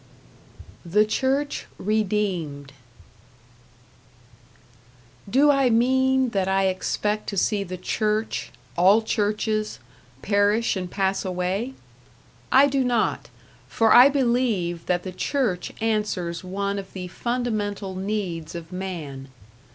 #The Church Redeemed# Do I mean that I expect to see the Church all churches perish and pass away? I do not, for I believe that the Church answers one of the fundamental needs of man.